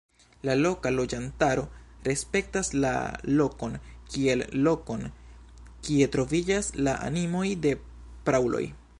La loka loĝantaro respektas la lokon kiel lokon, kie troviĝas la animoj de prauloj.